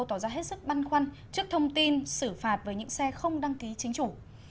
tỏ ra hết sức băn khoăn trước thông tin xử phạt với những xe không đăng ký chính chủ